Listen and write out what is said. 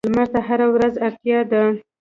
لمر ته هره ورځ اړتیا ده.